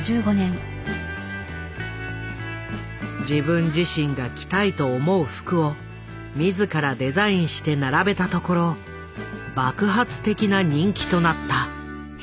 自分自身が着たいと思う服を自らデザインして並べたところ爆発的な人気となった。